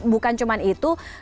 bukan cuma itu